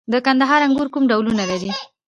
د کندهار انګور کوم ډولونه لري؟